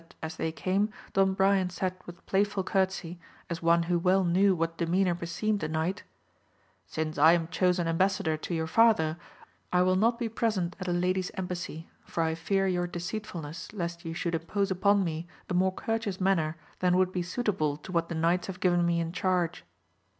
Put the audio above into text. as they came Don Brian said with playful courtesy, as one who well knew what demeanour beseemed a knight : Since I am chosen embassador to your father, I will not be present at a lady's embassy, for I fear your deceitfulness, lest you should impose upon me a more courteous manner than would be suitable to what the Jmights have given me in charge.